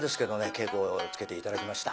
稽古をつけて頂きました。